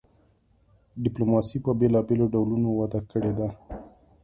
ډیپلوماسي په بیلابیلو ډولونو وده کړې ده